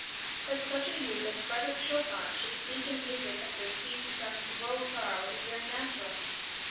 That such a youth as Frederic Chopin should seek in music a surcease from his world sorrow is very natural.